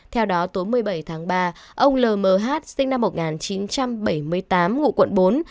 theo đó tối một mươi bảy tháng ba ông l mh sinh năm một nghìn chín trăm bảy mươi tám ngụ quận bốn